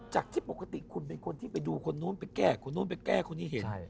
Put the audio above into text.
จากที่ปกติคุณเป็นคนที่ไปดูคนนู้นไปแก้คนนู้นไปแก้คนนี้เห็น